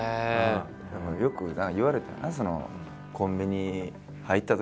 よく言われたよな。